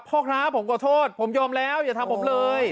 พ่อค้าผมขอโทษผมยอมแล้วอย่าทำผมเลย